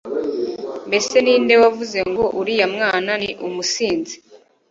Mbese ni nde wavuze ngo uriya mwana ni umusinzi